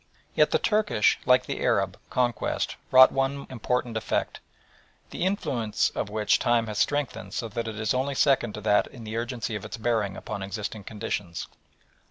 Yet the Turkish, like the Arab, conquest wrought one important effect, the influence of which time has strengthened so that it is only second to that in the urgency of its bearing upon existing conditions.